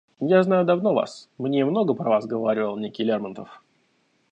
Я знаю давно вас, мне много про вас говаривал некий Лермонтов.